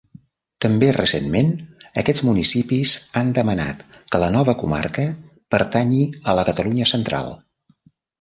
També recentment, aquests municipis han demanat que la nova comarca pertanyi a la Catalunya central.